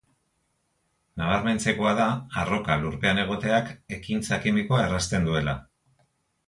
Nabarmentzekoa da arroka lurpean egoteak ekintza kimikoa errazten duela.